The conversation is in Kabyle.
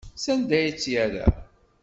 Sanda ay tt-yerra?